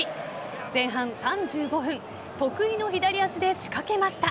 前半３５分得意の左足で仕掛けました。